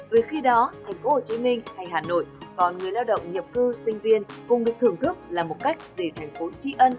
vì khi đó thành phố hồ chí minh hay hà nội còn người lao động nhập cư sinh viên cùng được thưởng thức là một cách để thành phố tri ân